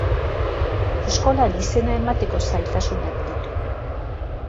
Eskolan izena emateko zailtasunak ditu.